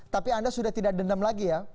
tapi anda sudah tidak dendam lagi ya